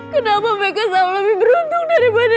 kenapa meka selalu lebih beruntung daripada dina